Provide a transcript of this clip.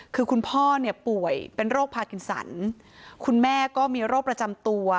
คือคุณพ่อเนี่ยป่วยเป็นโรคพากินสันคุณแม่ก็มีโรคประจำตัว